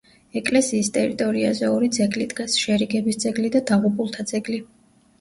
ეკლესიის ტერიტორიაზე ორი ძეგლი დგას: შერიგების ძეგლი და დაღუპულთა ძეგლი.